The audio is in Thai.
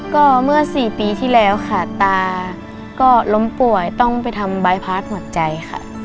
ก็เมื่อ๔ปีที่แล้วค่ะตาก็ล้มป่วยต้องไปทำบายพาร์ทหัวใจค่ะ